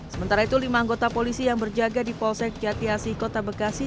sementara itu lima anggota polisi yang berjaga di polsek jatiasi kota bekasi